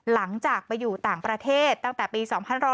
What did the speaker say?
หลังจากไปอยู่ต่างประเทศตั้งแต่ปี๒๕๖๐